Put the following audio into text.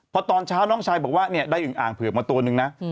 พอตอนเช้าน้องชายบอกว่าเนี่ยได้อึงอ่างเผือกมาตัวนึงนะ